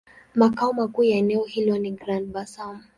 Makao makuu ya eneo hilo ni Grand-Bassam.